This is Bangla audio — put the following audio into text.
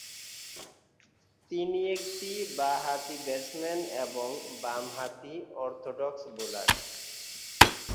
তিনি একটি বাঁ-হাতি ব্যাটসম্যান এবং বাম হাতি অর্থোডক্স বোলার।